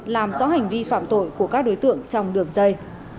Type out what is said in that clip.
làm rõ hành vi phạm tội của các đối tượng trong đường dây